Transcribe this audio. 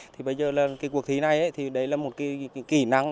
thì bây giờ là cái cuộc thi này thì đấy là một cái kỹ năng